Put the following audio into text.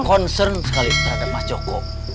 concern sekali terhadap mas joko